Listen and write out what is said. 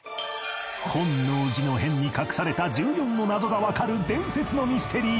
本能寺の変に隠された１４の謎がわかる伝説のミステリー